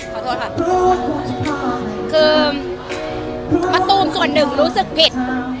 ขอโทษค่ะคือมะตูมส่วนหนึ่งรู้สึกผิด